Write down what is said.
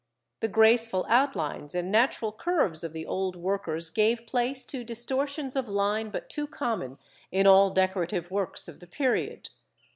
The graceful outlines and natural curves of the old workers gave place to distortions of line but too common in all decorative works of the period.